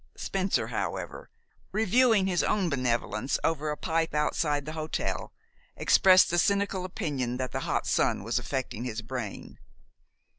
Spencer, however, reviewing his own benevolence over a pipe outside the hotel, expressed the cynical opinion that the hot sun was affecting his brain.